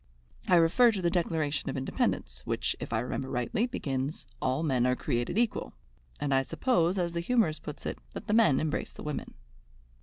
I refer to the Declaration of Independence, which, if I remember rightly, begins 'All men are created equal,' and I suppose, as the humourist puts it, that the men embrace the women."